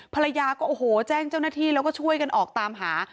ภรรยาก็โอ้โหแจ้งเจ้าหน้าที่แล้วก็ช่วยกันออกตามหา